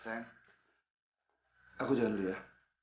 sayang aku jalan dulu ya